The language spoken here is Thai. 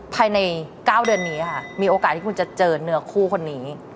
ภายใน๙เดือนนี้ค่ะมีโอกาสที่คุณจะเจอเนื้อคู่คนนี้